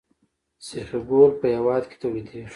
سیخ ګول په هیواد کې تولیدیږي